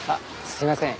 すいません。